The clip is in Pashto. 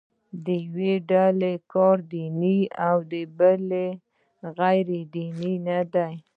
د یوې ډلې کار دیني او د بلې غیر دیني نه دی.